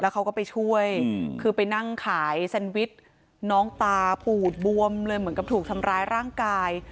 เขาก็ไปช่วยคือไปนั่งขายแซนวิชน้องตาปูดบวมเลยเหมือนกับถูกทำร้ายร่างกาย